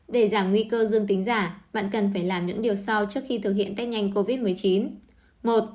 để giảm nguy cơ dương tính giả bạn cần phải làm những điều sau trước khi thực hiện test nhanh covid một mươi chín